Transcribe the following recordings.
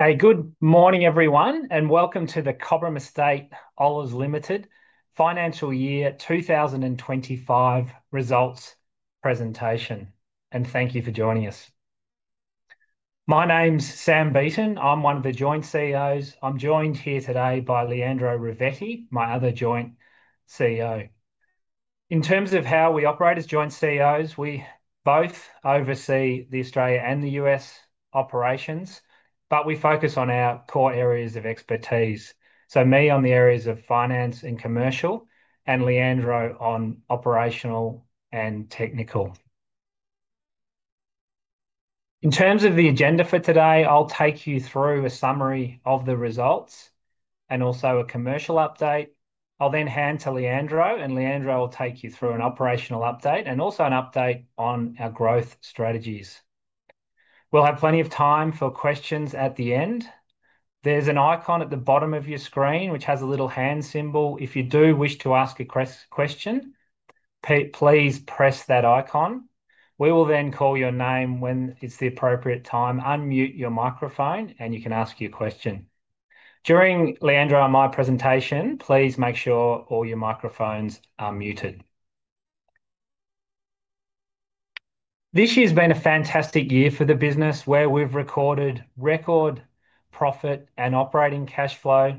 Good morning, everyone, and welcome to the Cobram Estate Olives Limited Financial Year 2025 Results Presentation. Thank you for joining us. My name's Sam Beaton. I'm one of the Joint CEOs. I'm joined here today by Leandro Ravetti, my other Joint CEO. In terms of how we operate as Joint CEOs, we both oversee the Australia and the U.S. operations, but we focus on our core areas of expertise, me on the areas of finance and commercial, and Leandro on operational and technical. In terms of the agenda for today, I'll take you through a summary of the results and also a commercial update. I'll then hand to Leandro, and Leandro will take you through an operational update and also an update on our growth strategies. We'll have plenty of time for questions at the end. There's an icon at the bottom of your screen which has a little hand symbol. If you do wish to ask a question, please press that icon. We will then call your name when it's the appropriate time, unmute your microphone, and you can ask your question. During Leandro and my presentation, please make sure all your microphones are muted. This year's been a fantastic year for the business, where we've recorded record profit and operating cash flow.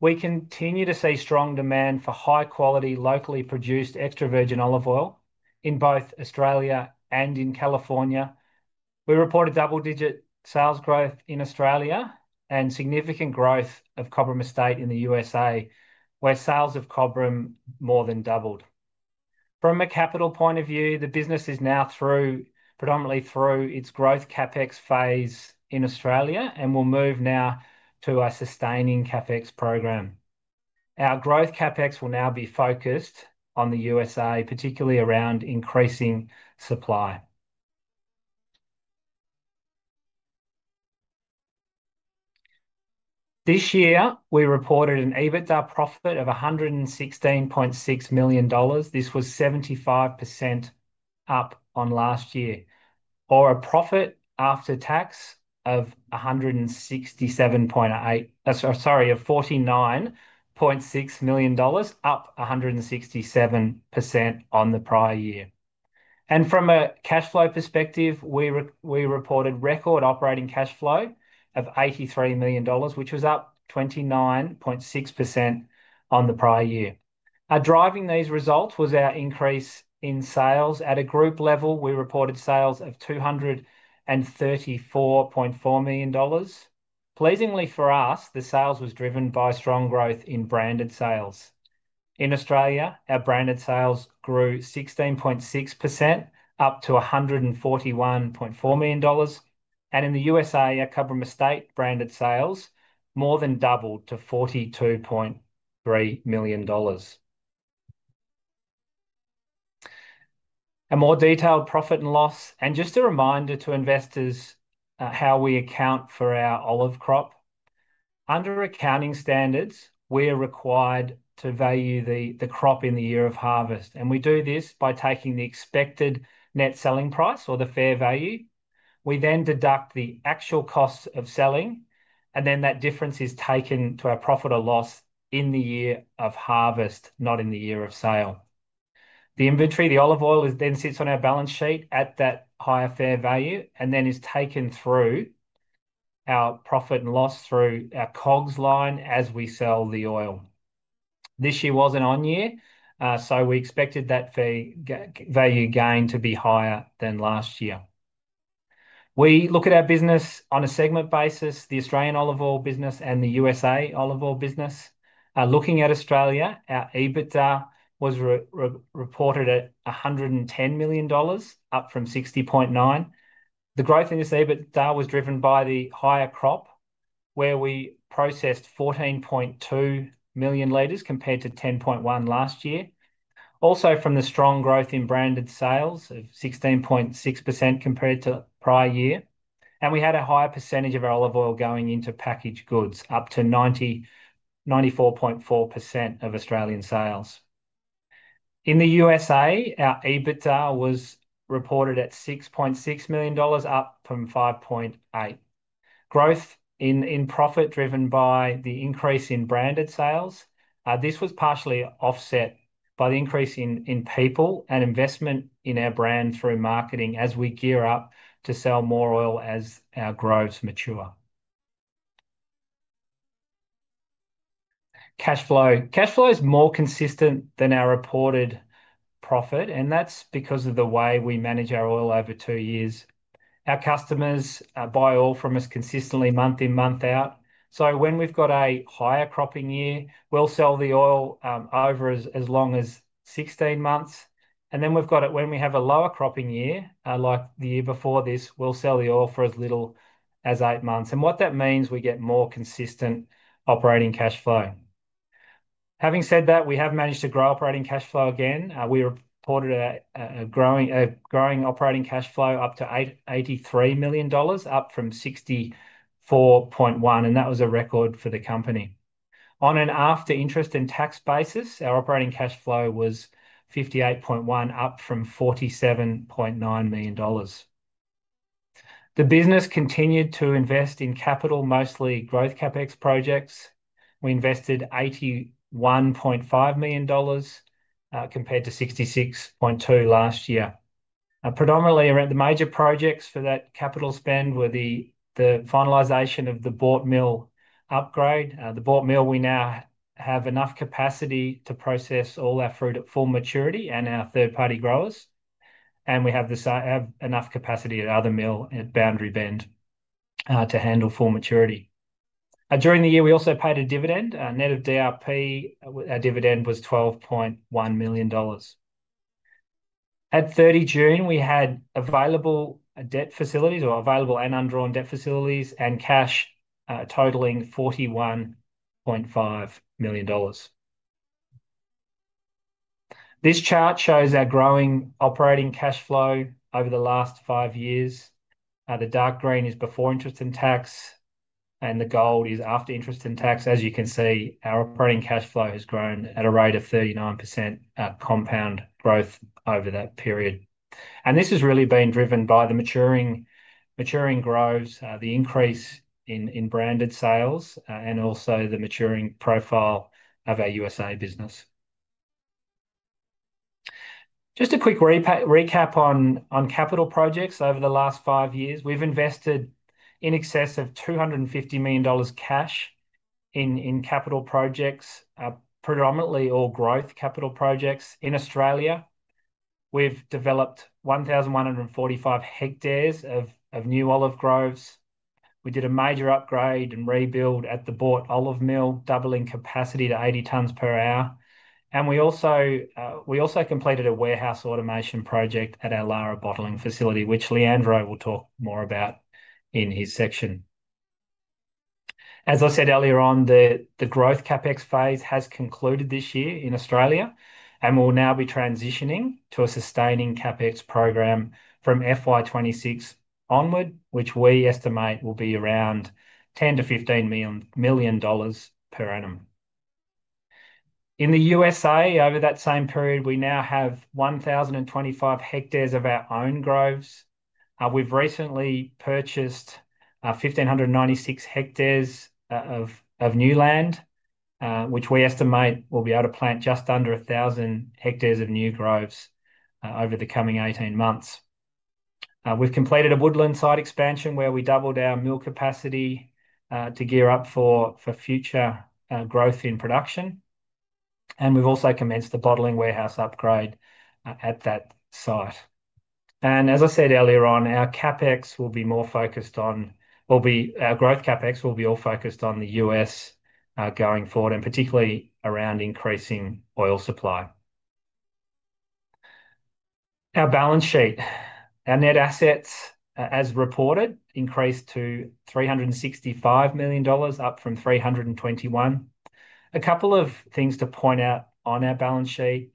We continue to see strong demand for high-quality, locally produced extra virgin olive oil in both Australia and in California. We reported double-digit sales growth in Australia and significant growth of Cobram Estate in the U.S.A., where sales of Cobram more than doubled. From a capital point of view, the business is now through predominantly its growth CapEx phase in Australia and will move now to our sustaining CapEx program. Our growth CapEx will now be focused on the U.S.A., particularly around increasing supply. This year, we reported an EBITDA profit of 116.6 million dollars. This was 75% up on last year, or a profit after tax of 49.6 million dollars, up 167% on the prior year. From a cash flow perspective, we reported record operating cash flow of 83 million dollars, which was up 29.6% on the prior year. Driving these results was our increase in sales at a group level. We reported sales of 234.4 million dollars. Pleasingly for us, the sales were driven by strong growth in branded sales. In Australia, our branded sales grew 16.6%, up to 141.4 million dollars. In the U.S.A., our Cobram Estate branded sales more than doubled to 42.3 million dollars. A more detailed profit and loss, and just a reminder to investors how we account for our olive crop. Under accounting standards, we are required to value the crop in the year of harvest. We do this by taking the expected net selling price or the fair value. We then deduct the actual costs of selling, and that difference is taken to our profit or loss in the year of harvest, not in the year of sale. The inventory of the olive oil then sits on our balance sheet at that higher fair value, and then is taken through our profit and loss through our COGS line as we sell the oil. This year was an on-year, so we expected that value gain to be higher than last year. We look at our business on a segment basis: the Australian olive oil business and the U.S.A. olive oil business. Looking at Australia, our EBITDA was reported at 110 million dollars, up from 60.9 million. The growth in this EBITDA was driven by the higher crop, where we processed 14.2 million L compared to 10.1 million L last year. Also, from the strong growth in branded sales of 16.6% compared to prior year, and we had a higher percentage of our olive oil going into packaged goods, up to 94.4% of Australian sales. In the U.S.A., our EBITDA was reported at 6.6 million dollars, up from 5.8 million. Growth in profit was driven by the increase in branded sales. This was partially offset by the increase in people and investment in our brand through marketing as we gear up to sell more oil as our groves mature. Cash flow is more consistent than our reported profit, and that's because of the way we manage our oil over two years. Our customers buy oil from us consistently month in, month out. When we've got a higher cropping year, we'll sell the oil over as long as 16 months. When we have a lower cropping year, like the year before this, we'll sell the oil for as little as eight months. That means we get more consistent operating cash flow. Having said that, we have managed to grow operating cash flow again. We reported a growing operating cash flow up to 83 million dollars, up from 64.1 million, and that was a record for the company. On an after-interest and tax basis, our operating cash flow was 58.1 million, up from 47.9 million dollars. The business continued to invest in capital, mostly growth CapEx projects. We invested 81.5 million dollars compared to 66.2 million last year. Predominantly, the major projects for that capital spend were the finalization of the Boort mill upgrade. The Boort mill now has enough capacity to process all our fruit at full maturity and our third-party growers. We have enough capacity at our other mill at Boundary Bend to handle full maturity. During the year, we also paid a dividend. Net of DRP, our dividend was 12.1 million dollars. At 30 June, we had available and undrawn debt facilities and cash totaling AUD4 1.5 million. This chart shows our growing operating cash flow over the last five years. The dark green is before interest and tax, and the gold is after interest and tax. As you can see, our operating cash flow has grown at a rate of 39% compound growth over that period. This has really been driven by the maturing growth, the increase in branded sales, and also the maturing profile of our U.S.A. business. Just a quick recap on capital projects over the last five years. We've invested in excess of 250 million dollars cash in capital projects, predominantly all growth capital projects in Australia. We've developed 1,145 hectares of new olive groves. We did a major upgrade and rebuild at the Boort olive mill, doubling capacity to 80 tons per hour. We also completed a warehouse automation project at our Lara bottling facility, which Leandro will talk more about in his section. As I said earlier, the growth CapEx phase has concluded this year in Australia, and we'll now be transitioning to a sustaining CapEx program from FY 2026 onward, which we estimate will be around 10 million-15 million dollars per annum. In the U.S.A., over that same period, we now have 1,025 hectares of our own groves. We've recently purchased 1,596 hectares of new land, which we estimate will be able to plant just under 1,000 hectares of new groves over the coming 18 months. We've completed a Woodland site expansion where we doubled our mill capacity to gear up for future growth in production. We've also commenced the bottling warehouse upgrade at that site. Our CapEx will be all focused on the U.S. going forward, and particularly around increasing oil supply. Our balance sheet, our net assets as reported increased to 365 million dollars, up from 321 million. A couple of things to point out on our balance sheet.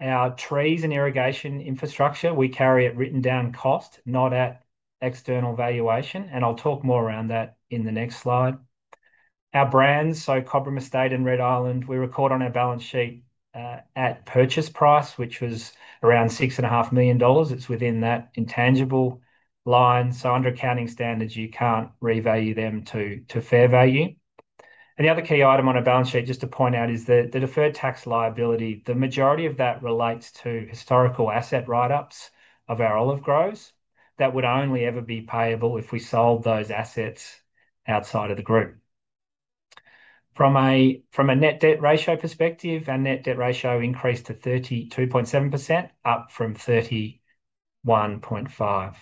Our trees and irrigation infrastructure, we carry at written down cost, not at external valuation, and I'll talk more around that in the next slide. Our brands, so Cobram Estate and Red Island, we record on our balance sheet at purchase price, which was around 6.5 million dollars. It's within that intangible line, so under accounting standards, you can't revalue them to fair value. The other key item on our balance sheet, just to point out, is the deferred tax liability. The majority of that relates to historical asset write-ups of our olive groves that would only ever be payable if we sold those assets outside of the group. From a net debt ratio perspective, our net debt ratio increased to 32.7%, up from 31.5%.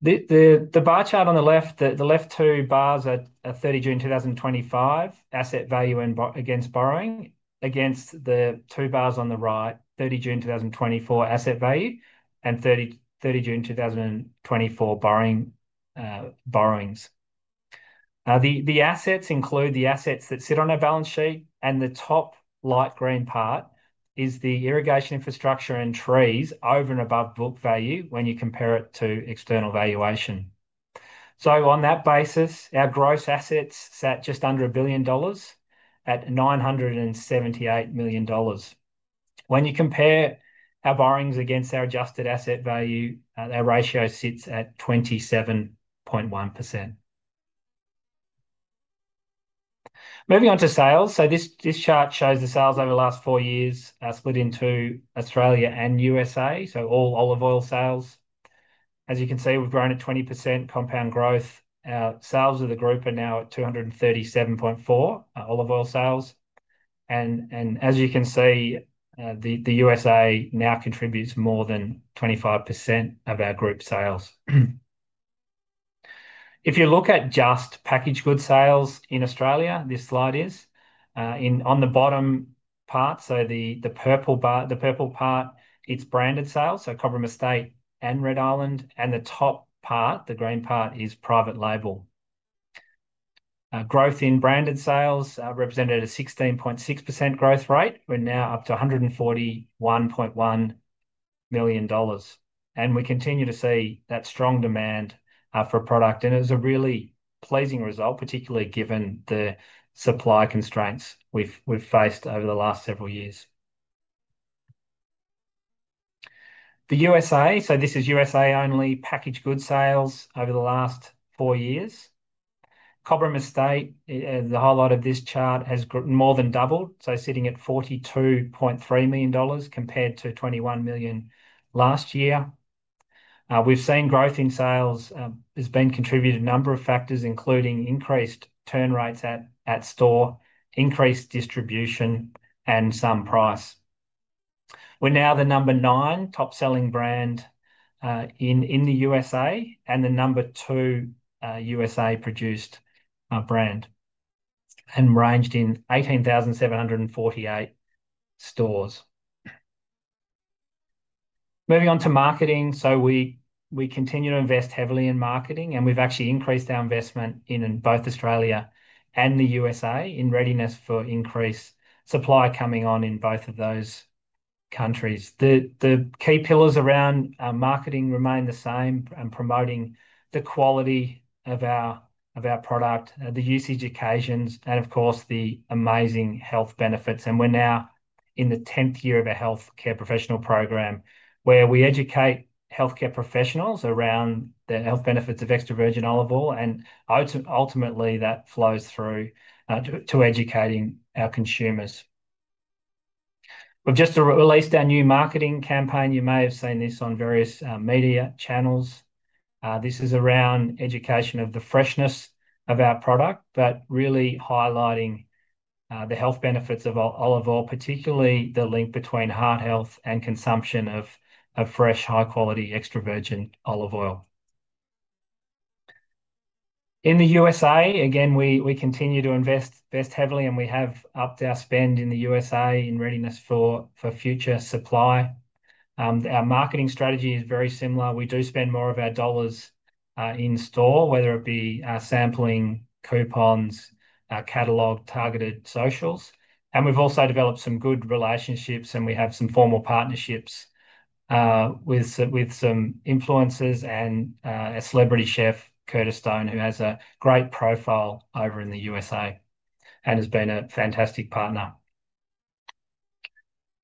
The bar chart on the left, the left two bars are 30 June 2025 asset value against borrowing, against the two bars on the right, 30 June 2024 asset value and 30 June 2024 borrowings. The assets include the assets that sit on our balance sheet, and the top light green part is the irrigation infrastructure and trees over and above book value when you compare it to external valuation. On that basis, our gross assets sat just under a billion dollars at 978 million dollars. When you compare our borrowings against our adjusted asset value, our ratio sits at 27.1%. Moving on to sales, this chart shows the sales over the last four years split into Australia and U.S.A., so all olive oil sales. As you can see, we've grown at 20% compound growth. Our sales of the group are now at 237.4% olive oil sales. As you can see, the U.S.A. now contributes more than 25% of our group sales. If you look at just packaged goods sales in Australia, this slide is, on the bottom part, so the purple part, it's branded sales, so Cobram Estate and Red Island, and the top part, the green part, is private label. Growth in branded sales represented a 16.6% growth rate. We're now up to 141.1 million dollars. We continue to see that strong demand for product, and it was a really pleasing result, particularly given the supply constraints we've faced over the last several years. The U.S.A., this is U.S.A. only packaged goods sales over the last four years. Cobram Estate, the whole lot of this chart has more than doubled, so sitting at 42.3 million dollars compared to 21 million last year. We've seen growth in sales has been contributed to a number of factors, including increased turn rates at store, increased distribution, and some price. We're now the number nine top selling brand in the U.S.A. and the number two U.S.A.-produced brand and ranged in 18,748 stores. Moving on to marketing, we continue to invest heavily in marketing, and we've actually increased our investment in both Australia and the U.S.A. in readiness for increased supply coming on in both of those countries. The key pillars around marketing remain the same, promoting the quality of our product, the usage occasions, and of course the amazing health benefits. We're now in the 10th year of a healthcare professional program where we educate healthcare professionals around the health benefits of extra virgin olive oil, and ultimately that flows through to educating our consumers. We've just released our new marketing campaign. You may have seen this on various media channels. This is around education of the freshness of our product, really highlighting the health benefits of olive oil, particularly the link between heart health and consumption of fresh, high-quality extra virgin olive oil. In the U.S.A., we continue to invest heavily, and we have upped our spend in the U.S.A. in readiness for future supply. Our marketing strategy is very similar. We do spend more of our dollars in store, whether it be sampling, coupons, catalog, targeted socials. We've also developed some good relationships, and we have some formal partnerships with some influencers and a celebrity chef, Curtis Stone, who has a great profile over in the U.S.A. and has been a fantastic partner.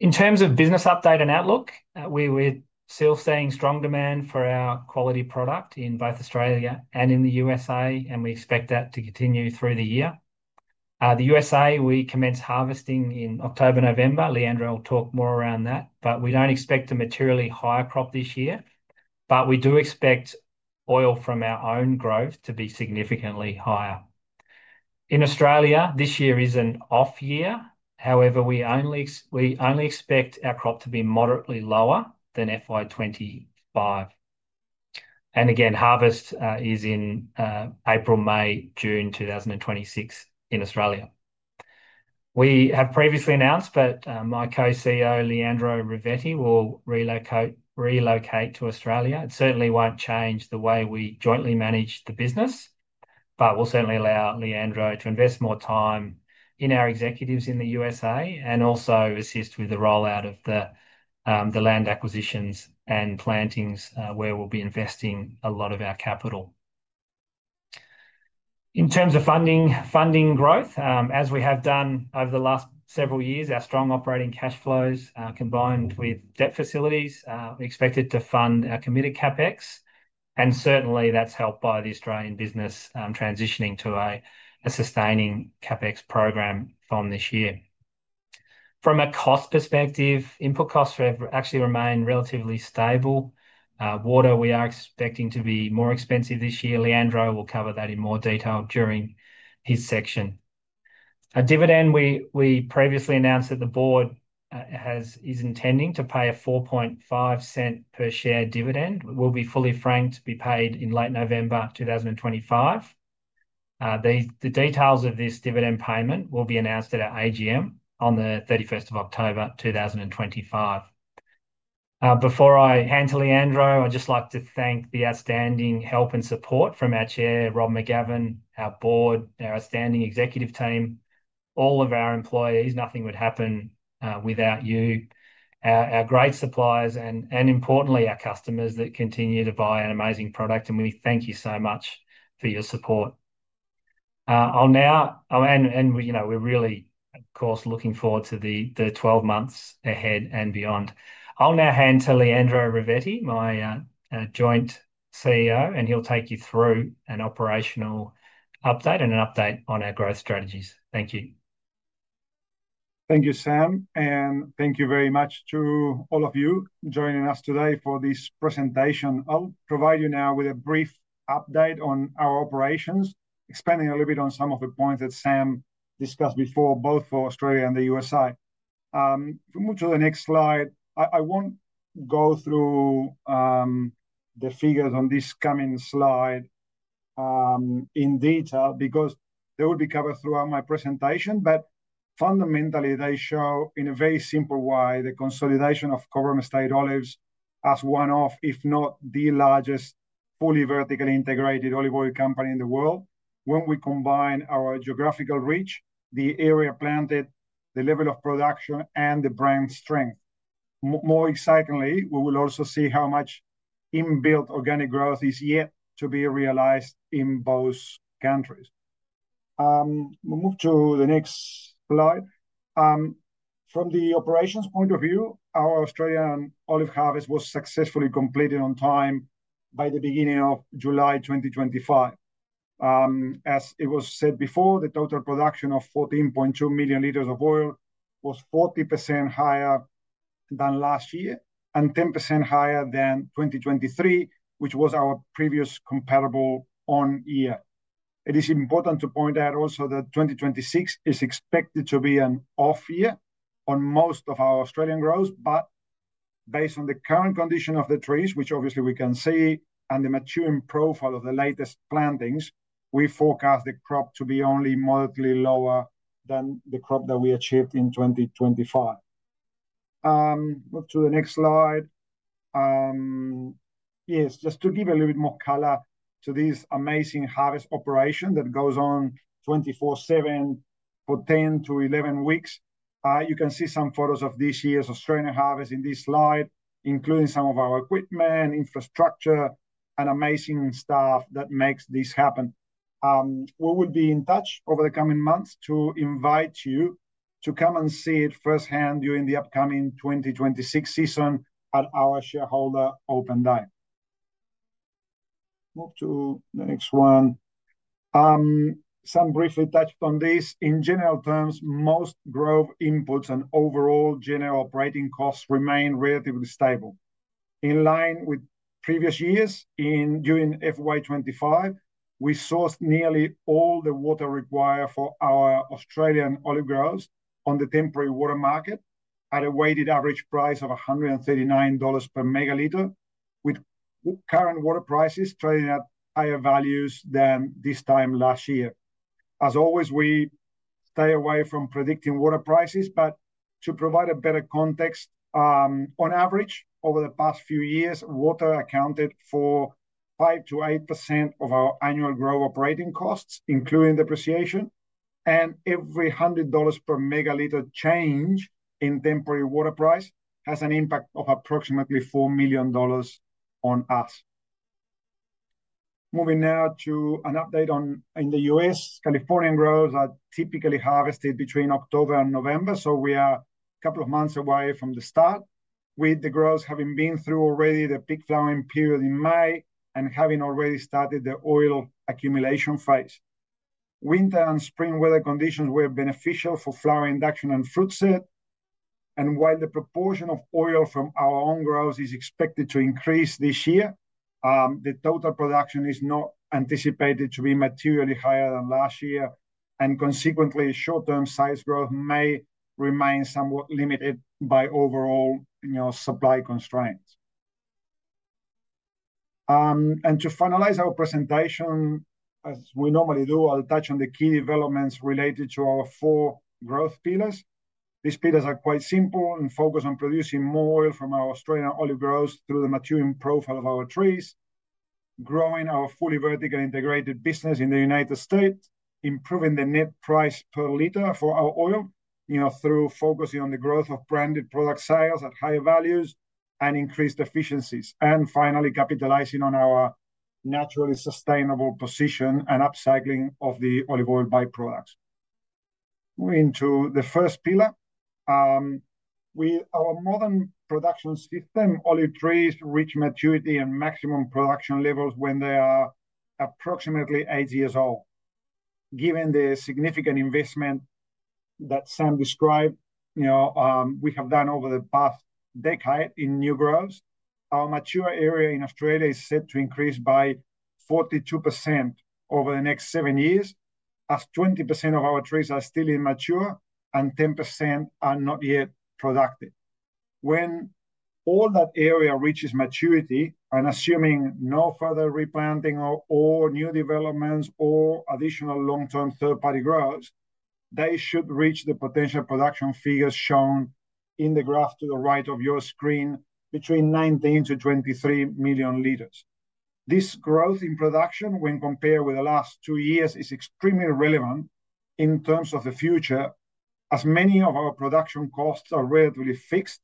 In terms of business update and outlook, we're still seeing strong demand for our quality product in both Australia and in the U.S.A., and we expect that to continue through the year. The U.S.A., we commence harvesting in October, November. Leandro will talk more around that, but we don't expect a materially higher crop this year, but we do expect oil from our own growth to be significantly higher. In Australia, this year is an off-year. However, we only expect our crop to be moderately lower than FY 2025. Harvest is in April, May, June 2026 in Australia. We have previously announced that my co-CEO, Leandro Ravetti, will relocate to Australia. It certainly won't change the way we jointly manage the business, but it will allow Leandro to invest more time in our executives in the U.S.A. and also assist with the rollout of the land acquisitions and plantings where we'll be investing a lot of our capital. In terms of funding growth, as we have done over the last several years, our strong operating cash flows combined with debt facilities, we expect it to fund our committed CapEx, and that's helped by the Australian business transitioning to a sustaining CapEx program from this year. From a cost perspective, input costs actually remain relatively stable. Water, we are expecting to be more expensive this year. Leandro will cover that in more detail during his section. A dividend we previously announced that the board is intending to pay a 0.045 per share dividend will be fully franked to be paid in late November 2025. The details of this dividend payment will be announced at our AGM on October 31, 2025. Before I hand to Leandro, I'd just like to thank the outstanding help and support from our Chair, Robert McGavin, our board, our outstanding executive team, all of our employees. Nothing would happen without you, our great suppliers, and importantly, our customers that continue to buy an amazing product. We thank you so much for your support. We're really, of course, looking forward to the 12 months ahead and beyond. I'll now hand to Leandro Ravetti, my Joint CEO, and he'll take you through an operational update and an update on our growth strategies. Thank you. Thank you, Sam, and thank you very much to all of you joining us today for this presentation. I'll provide you now with a brief update on our operations, expanding a little bit on some of the points that Sam discussed before, both for Australia and the U.S.A. If we move to the next slide, I won't go through the figures on this coming slide in detail because they will be covered throughout my presentation. Fundamentally, they show in a very simple way the consolidation of Cobram Estate Olives as one of, if not the largest, fully vertically integrated olive oil company in the world when we combine our geographical reach, the area planted, the level of production, and the brand strength. More excitingly, we will also see how much inbuilt organic growth is yet to be realized in both countries. We'll move to the next slide. From the operations point of view, our Australian olive harvest was successfully completed on time by the beginning of July 2025. As it was said before, the total production of 14.2 million L of oil was 40% higher than last year and 10% higher than 2023, which was our previous comparable on year. It is important to point out also that 2026 is expected to be an off-year on most of our Australian growth, but based on the current condition of the trees, which obviously we can see, and the maturing profile of the latest plantings, we forecast the crop to be only moderately lower than the crop that we achieved in 2025. Move to the next slide. Just to give a little bit more color to this amazing harvest operation that goes on 24/7 for 10-11 weeks. You can see some photos of this year's Australian harvest in this slide, including some of our equipment, infrastructure, and amazing staff that makes this happen. We will be in touch over the coming months to invite you to come and see it firsthand during the upcoming 2026 season at our shareholder open day. Move to the next one. Sam briefly touched on this. In general terms, most growth inputs and overall general operating costs remain relatively stable. In line with previous years, during FY 2025, we sourced nearly all the water required for our Australian olive groves on the temporary water market at a weighted average price of 139 dollars per ML, with current water prices trading at higher values than this time last year. As always, we stay away from predicting water prices, but to provide a better context, on average over the past few years, water accounted for 5%-8% of our annual growth operating costs, including depreciation, and every 100 dollars per ML change in temporary water price has an impact of approximately 4 million dollars on us. Moving now to an update on the U.S. Californian groves are typically harvested between October and November, so we are a couple of months away from the start, with the groves having been through already the peak flowering period in May and having already started the oil accumulation phase. Winter and spring weather conditions were beneficial for flower induction and fruit set, and while the proportion of oil from our own groves is expected to increase this year, the total production is not anticipated to be materially higher than last year, and consequently, short-term size growth may remain somewhat limited by overall supply constraints. To finalize our presentation, as we normally do, I'll touch on the key developments related to our four growth pillars. These pillars are quite simple and focus on producing more oil from our Australian olive groves through the maturing profile of our trees, growing our fully vertically integrated business in the United States, improving the net price per litre for our oil through focusing on the growth of branded product sales at higher values and increased efficiencies, and finally capitalizing on our naturally sustainable position and upcycling of the olive oil byproducts. Moving to the first pillar, our modern production system: olive trees reach maturity and maximum production levels when they are approximately eight years old. Given the significant investment that Sam described, you know, we have done over the past decade in new groves. Our mature area in Australia is set to increase by 42% over the next seven years, as 20% of our trees are still immature and 10% are not yet productive. When all that area reaches maturity, I'm assuming no further replanting or new developments or additional long-term third-party growth, they should reach the potential production figures shown in the graph to the right of your screen, between 19 million L-23 million L. This growth in production, when compared with the last two years, is extremely relevant in terms of the future, as many of our production costs are relatively fixed,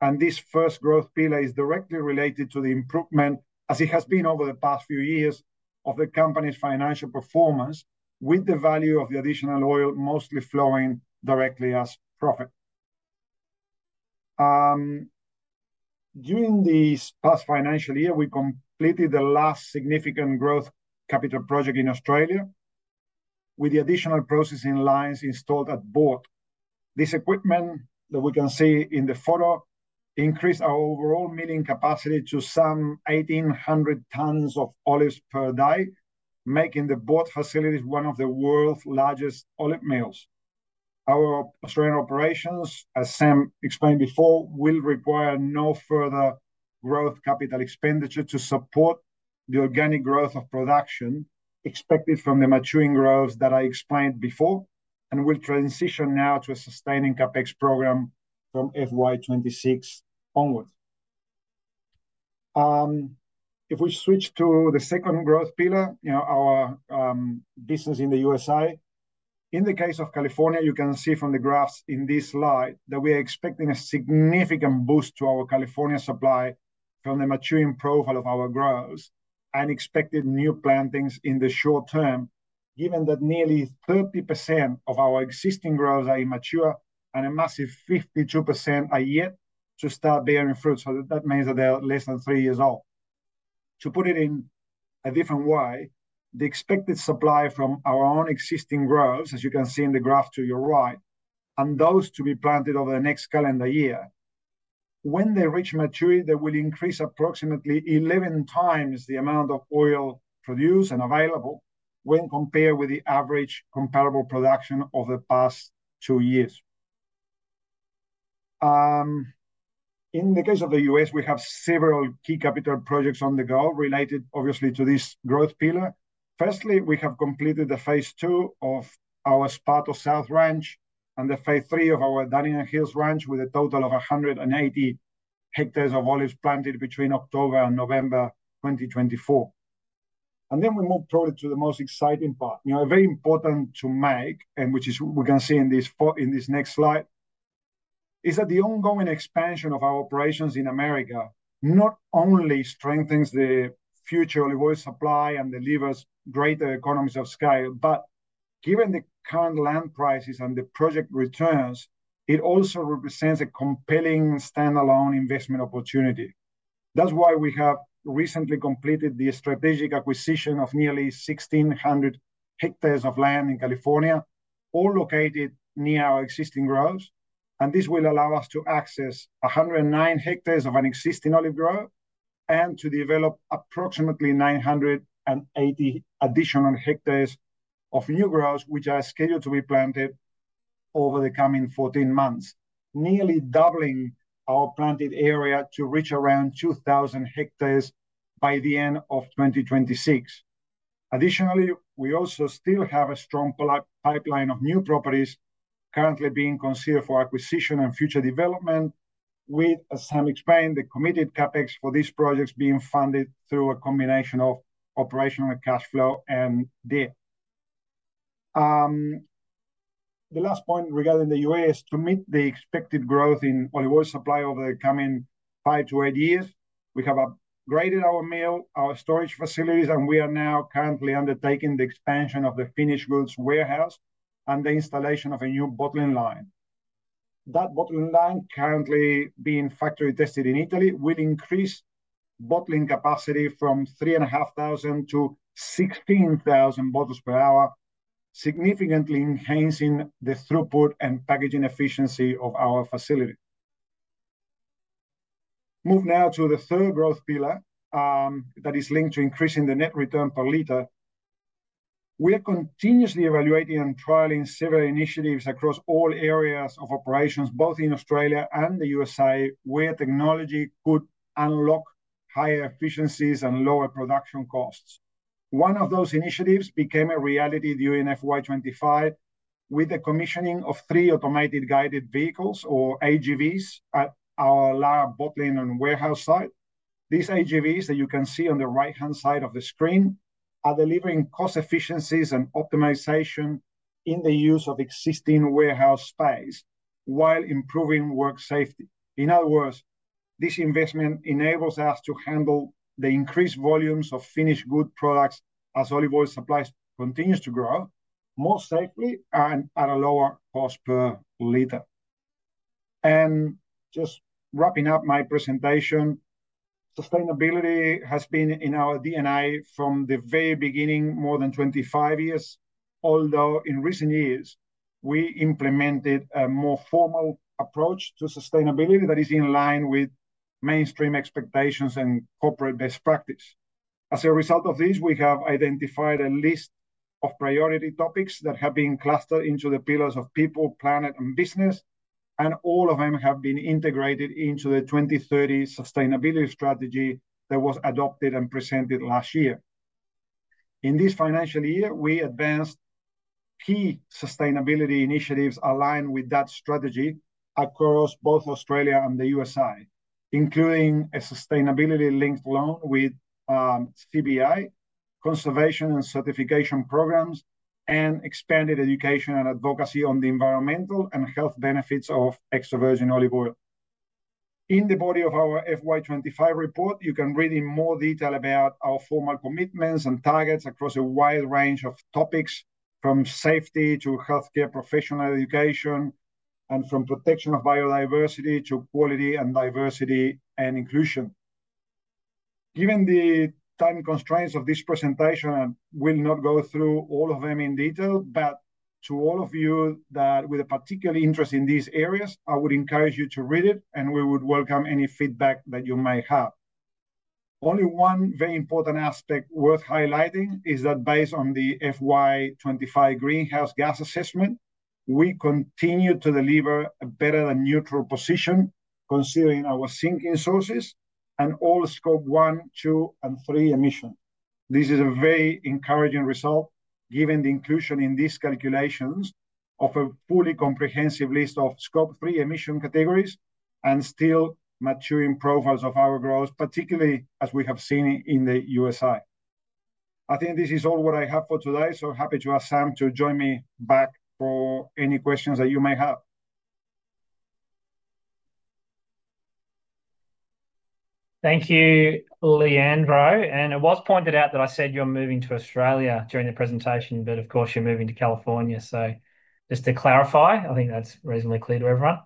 and this first growth pillar is directly related to the improvement, as it has been over the past few years, of the company's financial performance with the value of the additional oil mostly flowing directly as profit. During this past financial year, we completed the last significant growth capital project in Australia with the additional processing lines installed at Lara. This equipment that we can see in the photo increased our overall milling capacity to some 1,800 tons of olives per day, making the Lara facilities one of the world's largest olive mills. Our Australian operations, as Sam explained before, will require no further growth capital expenditure to support the organic growth of production expected from the maturing groves that I explained before, and we'll transition now to a sustaining CapEx program from FY 2026 onward. If we switch to the second growth pillar, our business in the U.S.A., in the case of California, you can see from the graphs in this slide that we are expecting a significant boost to our California supply from the maturing profile of our groves and expected new plantings in the short term, given that nearly 30% of our existing groves are immature and a massive 52% are yet to start bearing fruit. That means that they're less than three years old. To put it in a different way, the expected supply from our own existing groves, as you can see in the graph to your right, and those to be planted over the next calendar year, when they reach maturity, they will increase approximately 11 times the amount of oil produced and available when compared with the average comparable production over the past two years. In the case of the U.S., we have several key capital projects on the go related obviously to this growth pillar. Firstly, we have completed the phase two of our Esparto South Ranch and the phase three of our Dunnigan Hills Ranch with a total of 180 hectares of olives planted between October and November 2024. We move probably to the most exciting part. Now, very important to make, and which is we can see in this next slide, is that the ongoing expansion of our operations in America not only strengthens the future olive oil supply and delivers greater economies of scale, but given the current land prices and the project returns, it also represents a compelling standalone investment opportunity. That's why we have recently completed the strategic acquisition of nearly 1,600 hectares of land in California, all located near our existing groves. This will allow us to access 109 hectares of an existing olive grove and to develop approximately 980 additional hectares of new groves, which are scheduled to be planted over the coming 14 months, nearly doubling our planted area to reach around 2,000 hectares by the end of 2026. Additionally, we also still have a strong pipeline of new properties currently being considered for acquisition and future development, with, as Sam explained, the committed CapEx for these projects being funded through a combination of operating cash flow and debt. The last point regarding the US, to meet the expected growth in olive oil supply over the coming five to eight years, we have upgraded our mill, our storage facilities, and we are now currently undertaking the expansion of the finished goods warehouse and the installation of a new bottling line. That bottling line currently being factory tested in Italy will increase bottling capacity from 3,500-16,000 bottles per hour, significantly enhancing the throughput and packaging efficiency of our facility. Move now to the third growth pillar that is linked to increasing the net return per litre. We are continuously evaluating and trialing several initiatives across all areas of operations, both in Australia and the U.S.A., where technology could unlock higher efficiencies and lower production costs. One of those initiatives became a reality during FY 2025 with the commissioning of three automated guided vehicles, or AGVs, at our Lara bottling and warehouse site. These AGVs that you can see on the right-hand side of the screen are delivering cost efficiencies and optimization in the use of existing warehouse space while improving work safety. In other words, this investment enables us to handle the increased volumes of finished goods products as olive oil supply continues to grow, most likely at a lower cost per litre. Wrapping up my presentation, sustainability has been in our DNA from the very beginning, more than 25 years, although in recent years we implemented a more formal approach to sustainability that is in line with mainstream expectations and corporate best practice. As a result of this, we have identified a list of priority topics that have been clustered into the pillars of people, planet, and business, and all of them have been integrated into the 2030 sustainability strategy that was adopted and presented last year. In this financial year, we advanced key sustainability initiatives aligned with that strategy across both Australia and the U.S.A., including a sustainability-linked loan with CBI, conservation and certification programs, and expanded education and advocacy on the environmental and health benefits of extra virgin olive oil. In the body of our FY 2025 report, you can read in more detail about our formal commitments and targets across a wide range of topics, from safety to healthcare professional education, and from protection of biodiversity to quality and diversity and inclusion. Given the time constraints of this presentation, we'll not go through all of them in detail, but to all of you that are particularly interested in these areas, I would encourage you to read it, and we would welcome any feedback that you may have. Only one very important aspect worth highlighting is that based on the FY 2025 greenhouse gas assessment, we continue to deliver a better and neutral position considering our sinking sources and all Scope 1, 2, and 3 emissions. This is a very encouraging result given the inclusion in these calculations of a fully comprehensive list of Scope 3 emission categories and still maturing profiles of our growth, particularly as we have seen in the U.S.A. I think this is all what I have for today, so happy to ask Sam to join me back for any questions that you may have. Thank you, Leandro. It was pointed out that I said you're moving to Australia during the presentation, but of course you're moving to California. Just to clarify, I think that's reasonably clear to everyone.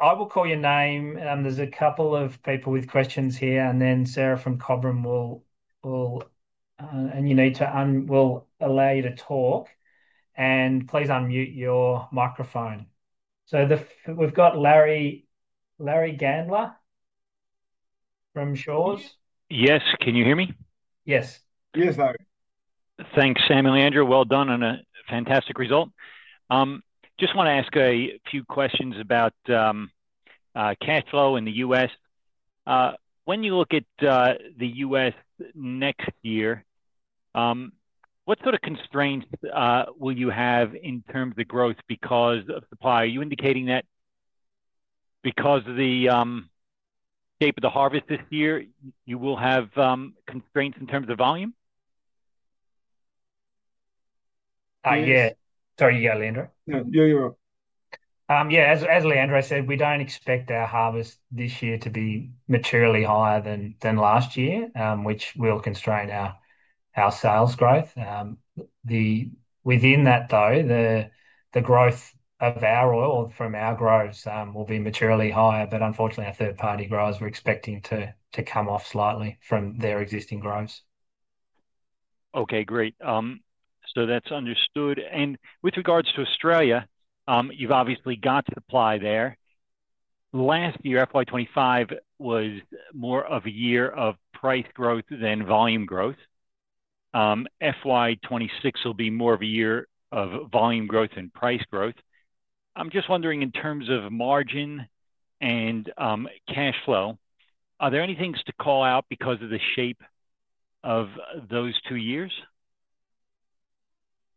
I will call your name, and there's a couple of people with questions here. Sarah from Cobram will, and you need to, we'll allow you to talk, and please unmute your microphone. We've got Larry Gandler from Shaw. Yes, can you hear me? Yes. Yes, Larry. Thanks, Sam and Leandro. Well done and a fantastic result. Just want to ask a few questions about cash flow in the U.S. When you look at the U.S. next year, what sort of constraints will you have in terms of the growth because of supply? Are you indicating that because of the shape of the harvest this year, you will have constraints in terms of volume? Yeah, sorry, Leandro. No, you're up. Yeah, as Leandro said, we don't expect our harvest this year to be materially higher than last year, which will constrain our sales growth. Within that, though, the growth of our oil from our groves will be materially higher, but unfortunately, our third-party groves we're expecting to come off slightly from their existing groves. Okay, great. That's understood. With regards to Australia, you've obviously got supply there. Last year, FY 2025 was more of a year of price growth than volume growth. FY 2026 will be more of a year of volume growth than price growth. I'm just wondering, in terms of margin and cash flow, are there any things to call out because of the shape of those two years?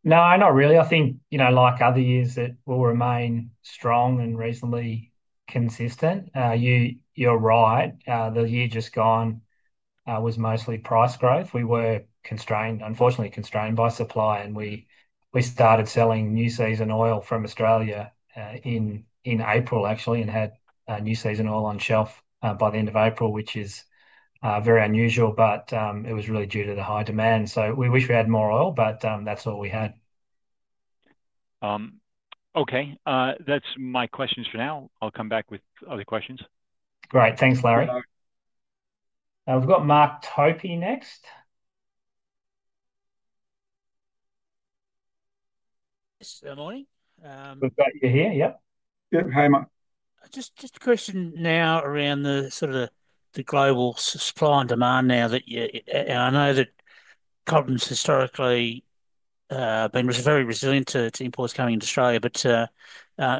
No, not really. I think, you know, like other years, it will remain strong and reasonably consistent. You're right. The year just gone was mostly price growth. We were constrained, unfortunately constrained, by supply, and we started selling new season oil from Australia in April, actually, and had new season oil on shelf by the end of April, which is very unusual, but it was really due to the high demand. We wish we had more oil, but that's all we had. Okay, that's my questions for now. I'll come back with other questions. Great, thanks, Larry. We've got [Mark Topi] next. Yes, good morning. You're here, yep. Yep, hey Mark. Just a question now around the sort of the global supply and demand now that you're, and I know that Cobram's historically been very resilient to imports coming into Australia, but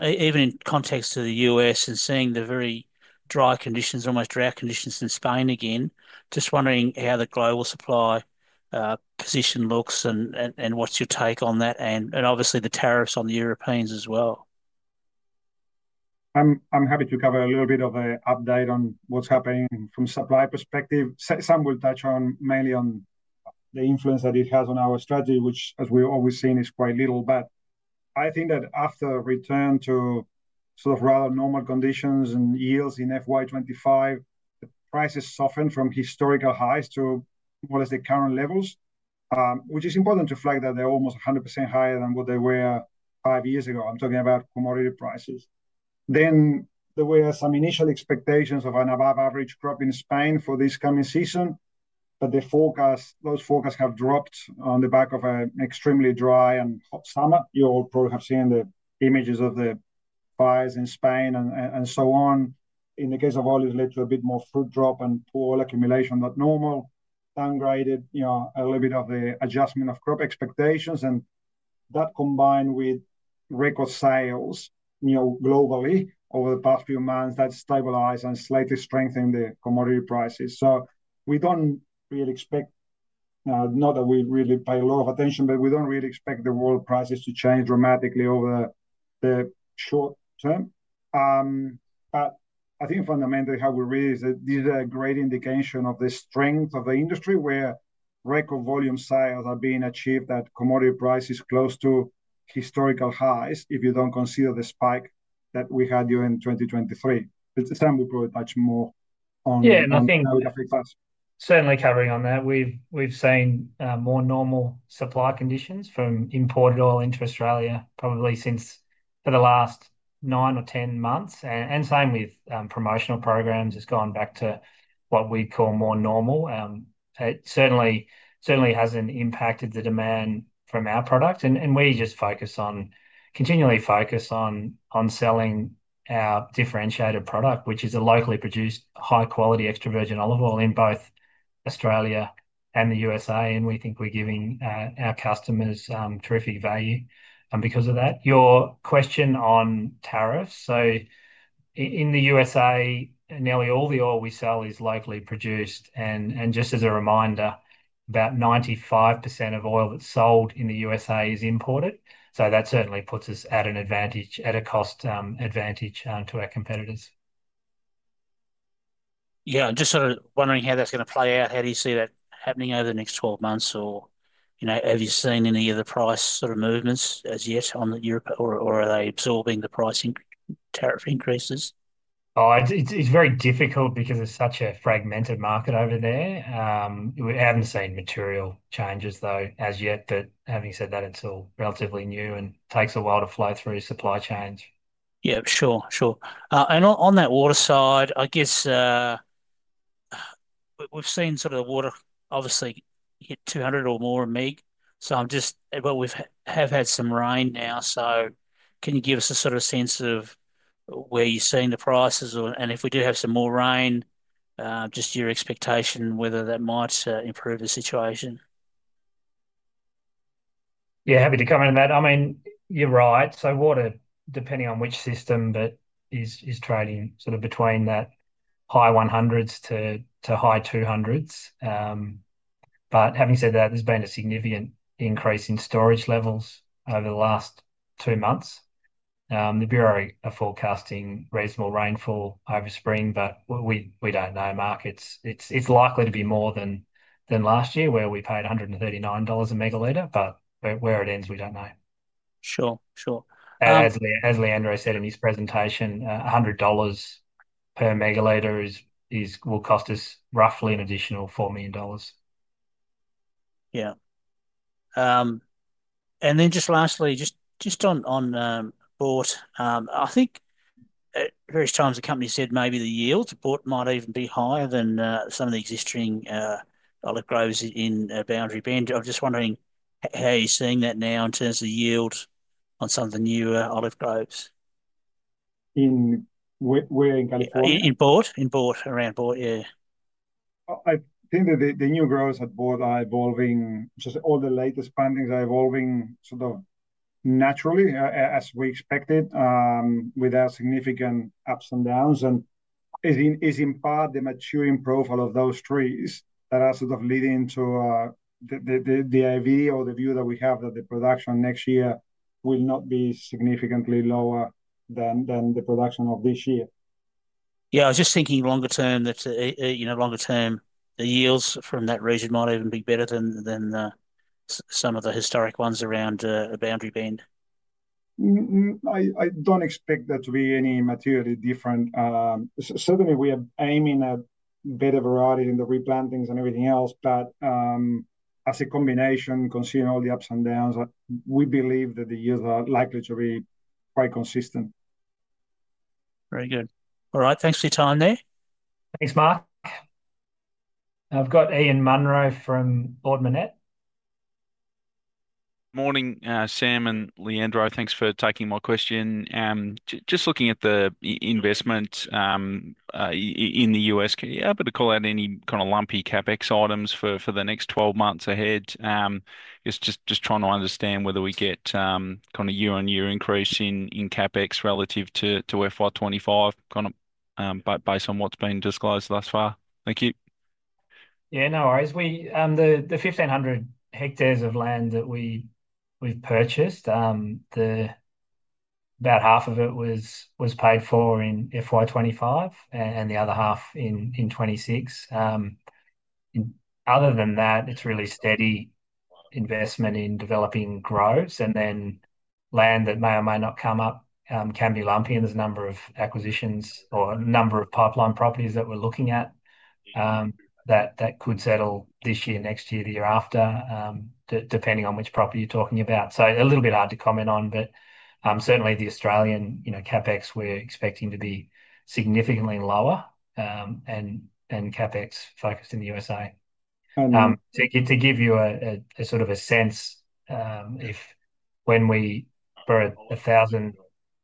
even in context of the U.S. and seeing the very dry conditions, almost drought conditions in Spain again, just wondering how the global supply position looks and what's your take on that, and obviously the tariffs on the Europeans as well. I'm happy to cover a little bit of an update on what's happening from a supply perspective. Sam will touch mainly on the influence that it has on our strategy, which, as we've always seen, is quite little, but I think that after a return to sort of rather normal conditions and yields in FY 2025, the prices softened from historical highs to what is the current levels, which is important to flag that they're almost 100% higher than what they were five years ago. I'm talking about commodity prices. There were some initial expectations of an above-average crop in Spain for this coming season, but those forecasts have dropped on the back of an extremely dry and hot summer. You all probably have seen the images of the fires in Spain and so on. In the case of olives, it led to a bit more fruit drop and poor oil accumulation than normal, downgraded a little bit of the adjustment of crop expectations, and that combined with record sales globally over the past few months, that's stabilized and slightly strengthened the commodity prices. We don't really expect, not that we really pay a lot of attention, but we don't really expect the world prices to change dramatically over the short term. I think fundamentally how we read is that these are a great indication of the strength of the industry where record volume sales are being achieved at commodity prices close to historical highs if you don't consider the spike that we had during 2023. Sam will probably touch more on that. Yeah, I would certainly carry on that. We've seen more normal supply conditions from imported oil into Australia probably since the last nine or ten months, and same with promotional programs has gone back to what we call more normal. It certainly hasn't impacted the demand from our product, and we just focus on, continually focus on selling our differentiated product, which is a locally produced high-quality extra virgin olive oil in both Australia and the U.S.A., and we think we're giving our customers terrific value because of that. Your question on tariffs, in the U.S.A., nearly all the oil we sell is locally produced, and just as a reminder, about 95% of oil that's sold in the U.S.A. is imported, so that certainly puts us at an advantage, at a cost advantage to our competitors. Yeah, I'm just sort of wondering how that's going to play out. How do you see that happening over the next 12 months, or have you seen any of the price sort of movements as yet on Europe, or are they absorbing the pricing tariff increases? Oh, it's very difficult because it's such a fragmented market over there. We haven't seen material changes though as yet, although it's all relatively new and takes a while to flow through supply chains. Yeah, sure, sure. On that water side, I guess we've seen the water obviously hit 200 or more a meg, so I'm just, we have had some rain now. Can you give us a sense of where you've seen the prices, and if we do have some more rain, your expectation whether that might improve the situation? Yeah, happy to comment on that. I mean, you're right, so water, depending on which system, is trading sort of between that high AUD 100s to high AUD 200s. Having said that, there's been a significant increase in storage levels over the last two months. The Bureau are forecasting reasonable rainfall over spring, but we don't know. Mark, it's likely to be more than last year where we paid 139 dollars a ML, but where it ends, we don't know. Sure, sure. As Leandro said in his presentation, 100 dollars per ML will cost us roughly an additional 4 million dollars. Yeah. Lastly, just on port, I think at various times the company said maybe the yield to port might even be higher than some of the existing olive groves in Boundary Bend. I'm just wondering how you're seeing that now in terms of the yield on some of the newer olive groves. Where in California? In port, around port, yeah. I think that the new groves at Port are evolving, just all the latest plantings are evolving sort of naturally as we expected with our significant ups and downs, and it is in part the maturing profile of those trees that are sort of leading to the idea or the view that we have that the production next year will not be significantly lower than the production of this year. I was just thinking longer term that, you know, longer term the yields from that region might even be better than some of the historic ones around Boundary Bend. I don't expect that to be any materially different. Certainly, we are aiming at better variety in the replantings and everything else, but as a combination, considering all the ups and downs, we believe that the yields are likely to be quite consistent. Very good. All right, thanks for your time there. Thanks, Mark. I've got Ian Munro from Ord Minnett. Morning, Sam and Leandro. Thanks for taking my question. Just looking at the investment in the U.S., are you able to call out any kind of lumpy CapEx items for the next 12 months ahead? It's just trying to understand whether we get kind of year-on-year increase in CapEx relative to FY 2025, kind of based on what's been disclosed thus far. Thank you. Yeah, no worries. The 1,500 hectares of land that we've purchased, about half of it was paid for in FY 2025 and the other half in 2026. Other than that, it's really steady investment in developing groves, and then land that may or may not come up can be lumpy, and there's a number of acquisitions or a number of pipeline properties that we're looking at that could settle this year, next year, the year after, depending on which property you're talking about. It's a little bit hard to comment on, but certainly the Australian CapEx we're expecting to be significantly lower and CapEx focused in the U.S.A.. To give you a sort of a sense, if when we were a 1,000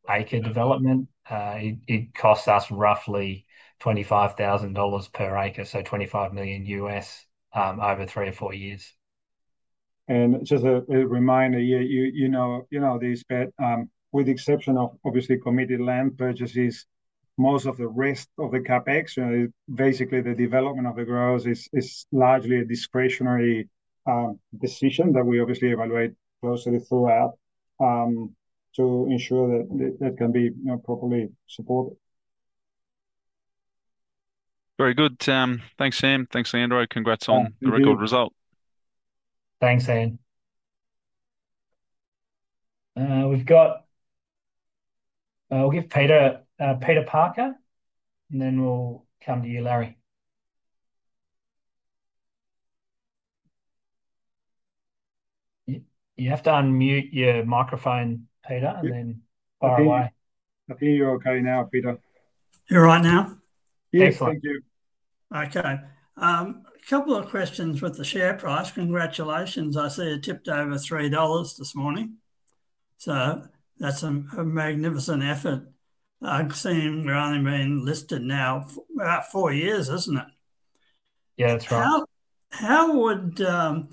acre development, it costs us roughly 25,000 dollars per acre, so $25 million over three or four years. Just a reminder, you know this, but with the exception of obviously committed land purchases, most of the rest of the CapEx, basically the development of the groves, is largely a discretionary decision that we obviously evaluate closely throughout to ensure that that can be properly supported. Very good. Thanks, Sam. Thanks, Leandro. Congrats on the record result. Thanks, Ian. We'll give Peter a Peter Parker, and then we'll come to you, Larry. You have to unmute your microphone, Peter, and then fire away. I think you're okay now, Peter. You're right now? Yes, thank you. Okay. A couple of questions with the share price. Congratulations. I see it tipped over 3 dollars this morning. That's a magnificent effort. I've seen we've only been listed now about four years, isn't it? Yeah, that's right. How would the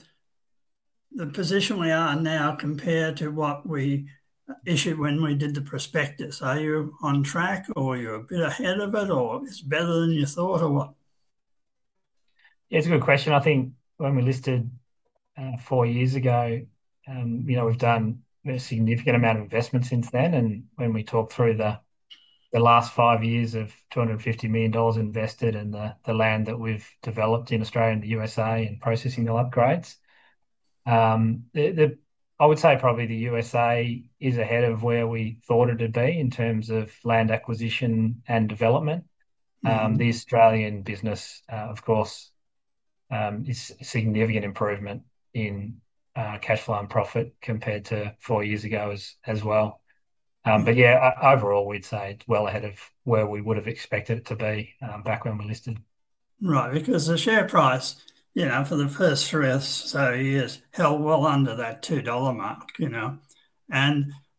position we are now compare to what we issued when we did the prospectus? Are you on track, or are you a bit ahead of it, or is it better than you thought, or what? It's a good question. I think when we listed four years ago, we've done a significant amount of investment since then, and when we talk through the last five years of 250 million dollars invested in the land that we've developed in Australia and the U.S.A. and processing oil upgrades, I would say probably the U.S.A. is ahead of where we thought it would be in terms of land acquisition and development. The Australian business, of course, is a significant improvement in cash flow and profit compared to four years ago as well. Overall, we'd say it's well ahead of where we would have expected it to be back when we listed. Right, because the share price, you know, for the first three or so years held well under that 2 dollar mark, you know.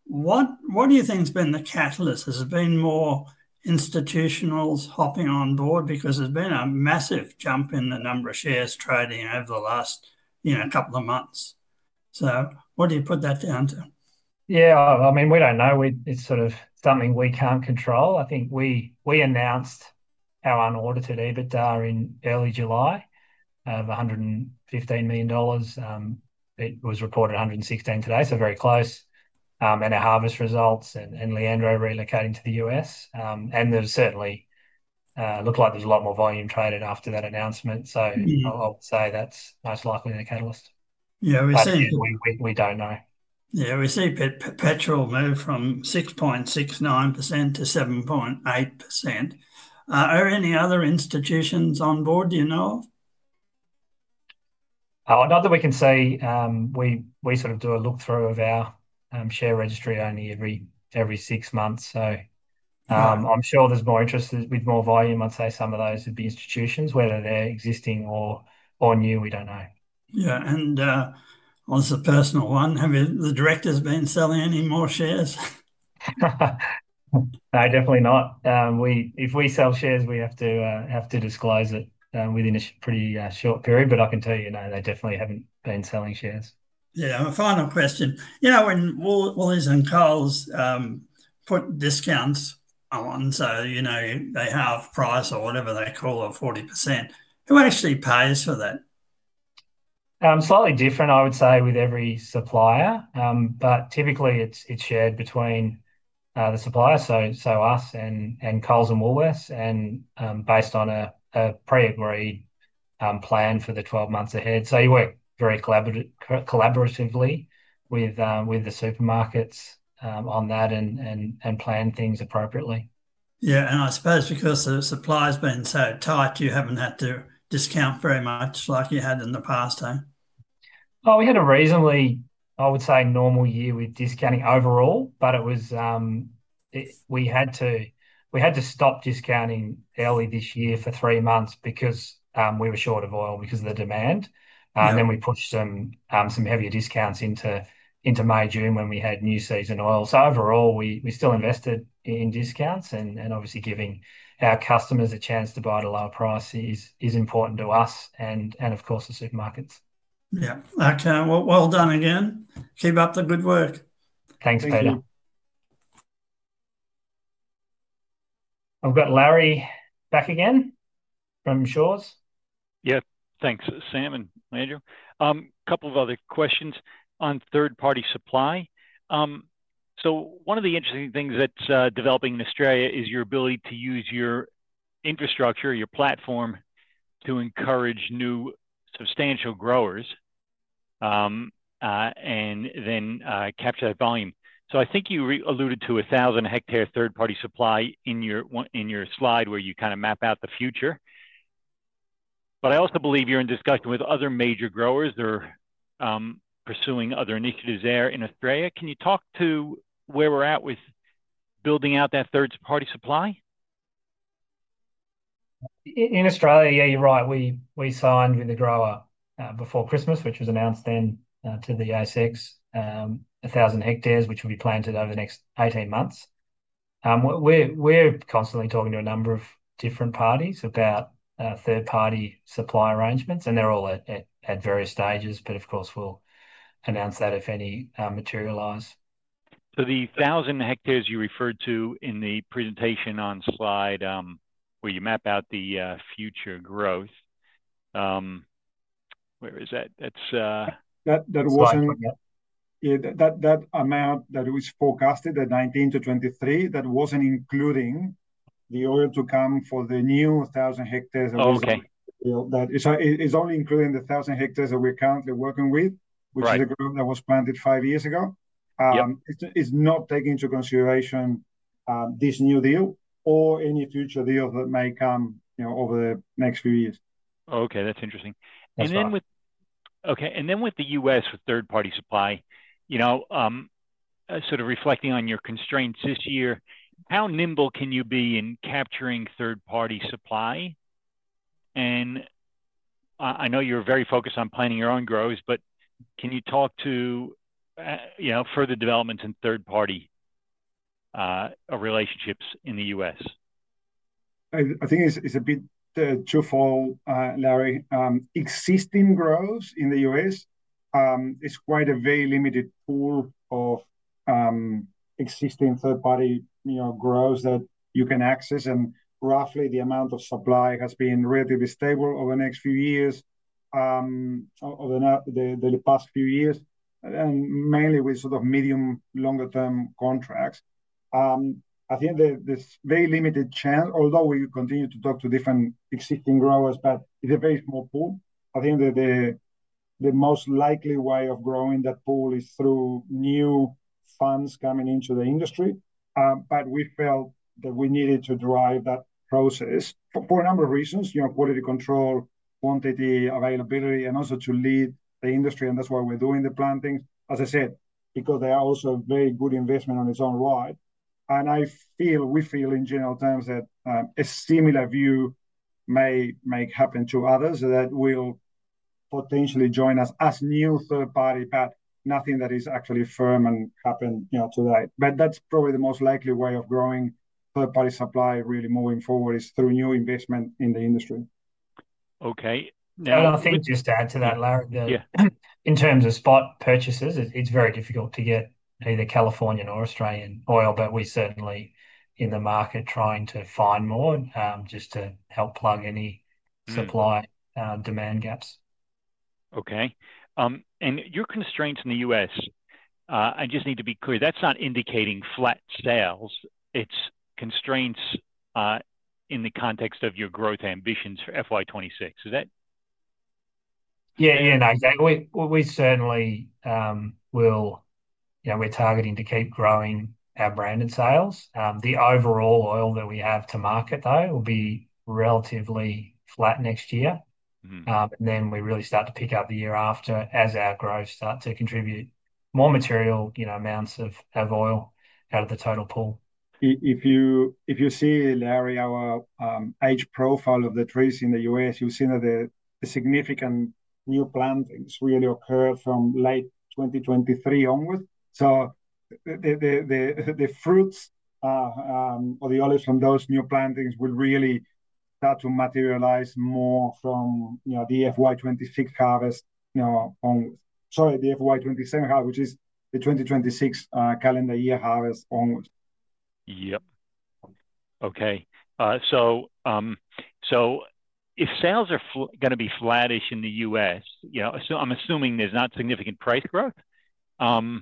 What do you think has been the catalyst? Has it been more institutionals hopping on board? There's been a massive jump in the number of shares trading over the last, you know, couple of months. What do you put that down to? Yeah, I mean, we don't know. It's sort of something we can't control. I think we announced our unaudited EBITDA in early July of 115 million dollars. It was reported 116 million today, so very close. Our harvest results and Leandro Ravetti relocating to the U.S. There's certainly, it looked like there's a lot more volume traded after that announcement. I would say that's most likely the catalyst. Yeah, we've seen. We don't know. Yeah, we've seen Perpetual move from 6.69%-7.8%. Are there any other institutions on board you know? Not that we can see. We do a look through of our share registry only every six months. I'm sure there's more interest with more volume. I'd say some of those at the institutions, whether they're existing or new, we don't know. Yeah, on a personal one, have the directors been selling any more shares? No, definitely not. If we sell shares, we have to disclose it within a pretty short period, but I can tell you, no, they definitely haven't been selling shares. Yeah, a final question. When Woolies and Coles put discounts on, so you know they have price or whatever they call a 40%, who actually pays for that? Slightly different, I would say, with every supplier, but typically it's shared between the supplier, so us and Coles and Woolworths, and based on a pre-agreed plan for the 12 months ahead. You work very collaboratively with the supermarkets on that and plan things appropriately. Yeah, I suppose because the supply has been so tight, you haven't had to discount very much like you had in the past, have you? We had a reasonably, I would say, normal year with discounting overall, but we had to stop discounting early this year for three months because we were short of oil because of the demand. Then we pushed some heavier discounts into May, June when we had new season oil. Overall, we still invested in discounts and obviously giving our customers a chance to buy at a lower price is important to us and, of course, the supermarkets. Okay, well done again. Keep up the good work. Thanks, Peter. We've got Larry back again from Shaw. Yeah, thanks, Sam and Leandro. A couple of other questions on third-party supply. One of the interesting things that's developing in Australia is your ability to use your infrastructure, your platform to encourage new substantial growers and then capture that volume. I think you alluded to a 1,000 hectare third-party supply in your slide where you kind of map out the future. I also believe you're in discussion with other major growers. They're pursuing other initiatives there in Australia. Can you talk to where we're at with building out that third-party supply? In Australia, yeah, you're right. We signed with a grower before Christmas, which was announced then to the ASX, 1,000 hectares, which will be planted over the next 18 months. We're constantly talking to a number of different parties about third-party supply arrangements, and they're all at various stages, but of course we'll announce that if any materialize. The thousand hectares you referred to in the presentation on the slide where you map out the future growth, where is that? That wasn't. Yeah, that amount that was forecasted at 19 million-23 million, that wasn't including the order to come for the new 1,000 hectares. Oh, okay. It's only including the 1,000 hectares that we're currently working with, which is the group that was planted five years ago. It's not taking into consideration this new deal or any future deals that may come over the next few years. That's interesting. With the U.S. and third-party supply, reflecting on your constraints this year, how nimble can you be in capturing third-party supply? I know you're very focused on planting your own growers, but can you talk to further developments in third-party relationships in the U.S.? I think it's a bit twofold, Larry. Existing growers in the U.S., it's quite a very limited pool of existing third-party growers that you can access, and roughly the amount of supply has been relatively stable over the past few years, mainly with sort of medium longer-term contracts. I think there's a very limited chance, although we continue to talk to different existing growers, but it's a very small pool. I think that the most likely way of growing that pool is through new funds coming into the industry. We felt that we needed to drive that process for a number of reasons: quality control, quantity, availability, and also to lead the industry, and that's why we're doing the planting. As I said, because they are also a very good investment on its own right, and I feel, we feel in general terms that a similar view may happen to others that will potentially join us as new third-party, but nothing that is actually firm and happened today. That's probably the most likely way of growing third-party supply really moving forward, through new investment in the industry. Okay. I think just to add to that, Larry. Yeah. In terms of spot purchases, it's very difficult to get either California or Australian oil, but we're certainly in the market trying to find more just to help plug any supply demand gaps. Okay. Your constraints in the U.S., I just need to be clear, that's not indicating flat sales. It's constraints in the context of your growth ambitions for FY 2026, is that? Yeah, exactly. We certainly will, you know, we're targeting to keep growing our branded sales. The overall oil that we have to market though will be relatively flat next year, and then we really start to pick up the year after as our growth starts to contribute more material, you know, amounts of oil out of the total pool. If you see, Larry, our age profile of the trees in the U.S., you'll see that the significant new plantings really occur from late 2023 onward. The fruits or the olives on those new plantings will really start to materialize more from the FY 2026 harvest, the FY 2027 harvest, which is the 2026 calendar year harvest onward. Okay. If sales are going to be flattish in the U.S., I'm assuming there's not significant price growth. The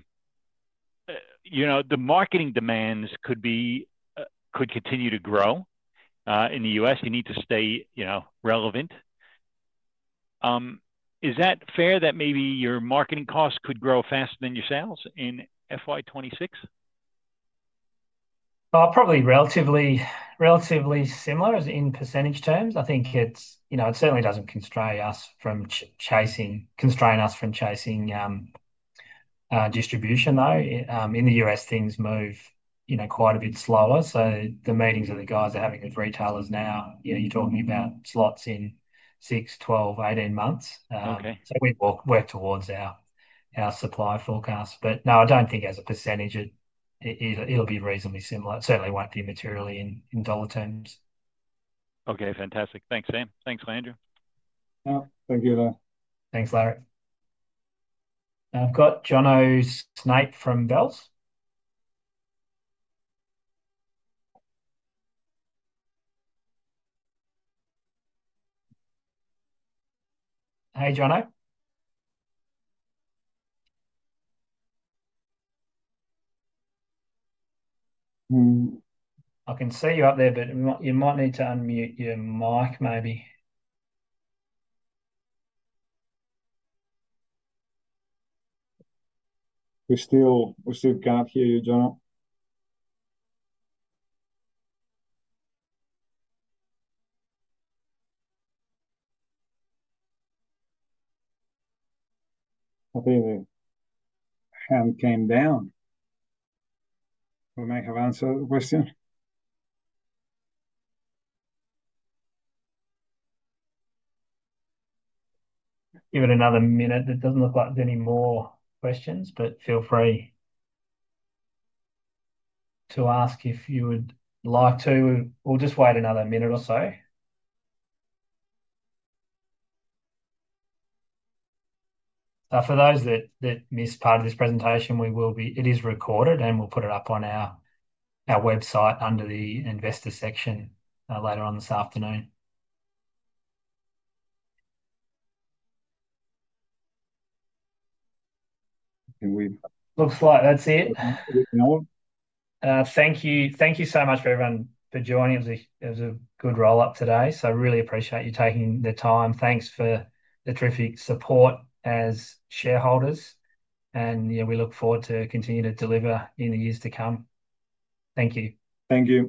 marketing demands could continue to grow in the U.S. You need to stay relevant. Is that fair that maybe your marketing costs could grow faster than your sales in FY 2026? Probably relatively similar in percentage terms. I think it's, you know, it certainly doesn't constrain us from chasing distribution though. In the U.S., things move, you know, quite a bit slower. The meetings the guys are having with retailers now, you know, you're talking about slots in 6, 12, 18 months. We work towards our supply forecast. No, I don't think as a percentage it'll be reasonably similar. It certainly won't be materially in dollar terms. Okay, fantastic. Thanks, Sam. Thanks, Leandro. Thank you, Larry. Thanks, Larry. I've got [John O'Snape from Belts]. Hey, John. I can see you up there, but you might need to unmute your mic. We're still capped here, John. I think that came down. We'll make a round circle question. Give it another minute. It doesn't look like there's any more questions, but feel free to ask if you would like to. We'll just wait another minute or so. For those that missed part of this presentation, it is recorded and we'll put it up on our website under the investor section later on this afternoon. Looks like that's it. Thank you. Thank you so much for everyone for joining. It was a good roll-up today, so I really appreciate you taking the time. Thanks for the terrific support as shareholders, and we look forward to continuing to deliver in the years to come. Thank you. Thank you.